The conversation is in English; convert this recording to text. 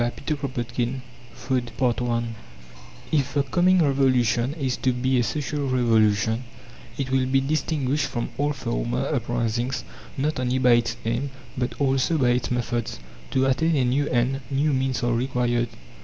Trans. CHAPTER V FOOD I If the coming Revolution is to be a Social Revolution, it will be distinguished from all former uprisings not only by its aim, but also by its methods. To attain a new end, new means are required.